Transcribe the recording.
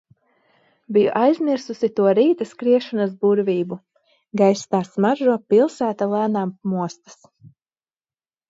Biju aizmirsusi to rīta skriešanas burvību. Gaiss tā smaržo, pilsēta lēnām mostas.